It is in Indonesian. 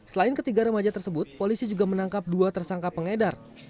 selain ketiga remaja tersebut polisi juga menangkap dua tersangka pengedar